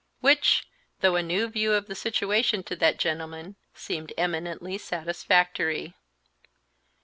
Which, though a new view of the situation to that gentleman, seemed eminently satisfactory.